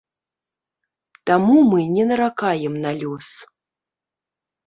Таму мы не наракаем на лёс.